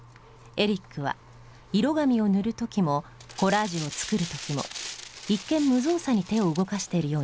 エリックは色紙を塗る時もコラージュを作る時も一見無造作に手を動かしているように見えます。